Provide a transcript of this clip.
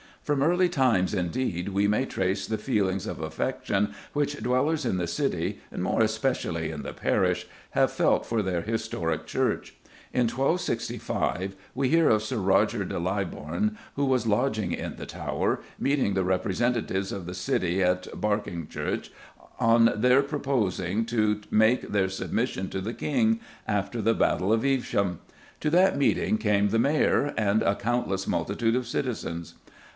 From early times, indeed, we may trace the feelings of affection which dwellers in the City, and more especially in the parish, have felt for their historic church. In 1265 we hear of Sir Roger de Leiburn, who was "lodging in the Tower," meeting the representatives of the City at Berkyngechurche on their proposing to make their submission to the king, after the battle of Evesham. To that meeting came the Mayor "and a countless multitude of citizens."